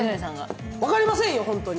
分かりませんよ、ホントに！